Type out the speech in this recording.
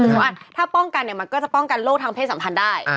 ว่าถ้าป้องกันเนี่ยมันก็จะป้องกันโรคทางเพศสัมพันธ์ได้